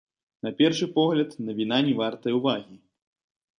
На першы погляд, навіна не вартая ўвагі.